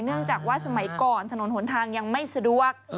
เนื่องจากว่าสมัยก่อนถนนหนทางยังไม่สะดวก